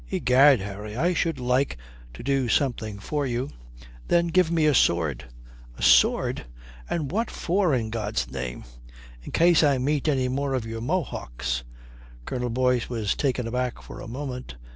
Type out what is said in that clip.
"Egad, Harry, I should like to do something for you." "Then give me a sword." "A sword? And what for i' God's name?" "In case I meet any more of your Mohocks." Colonel Boyce was taken aback for a moment.